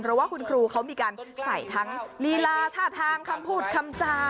เพราะว่าคุณครูเขามีการใส่ทั้งลีลาท่าทางคำพูดคำจา